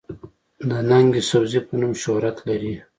د “ ننګ يوسفزۍ” پۀ نوم شهرت لري